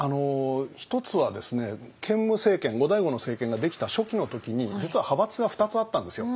１つはですね建武政権後醍醐の政権ができた初期の時に実は派閥が２つあったんですよ。